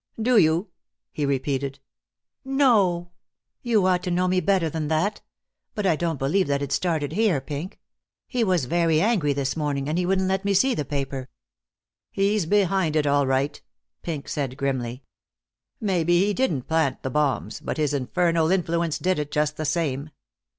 "Do you?" he repeated. "No. You ought to know me better than that. But I don't believe that it started here, Pink. He was very angry this morning, and he wouldn't let me see the paper." "He's behind it all right," Pink said grimly. "Maybe he didn't plant the bombs, but his infernal influence did it, just the same.